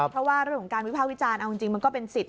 เพราะว่าเรื่องของการวิภาควิจารณ์เอาจริงมันก็เป็นสิทธิ